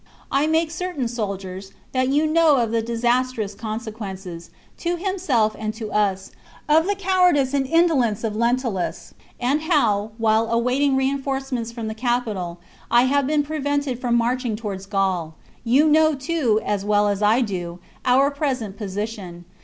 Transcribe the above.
" I make certain, soldiers, that you know of the disas trous consequences, to himself and to us, of the cowardice and indolence of Lentulus, and how, while awaiting reinforcements from the capital, I have been prevented from marching towards Gaul. You know, too, as well as I do, our present position.